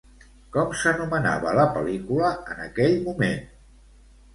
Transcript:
Com s'anomenava la pel·lícula en aquell moment?